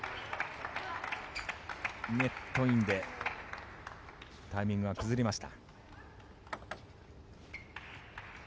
ネットインでタイミングは崩れました。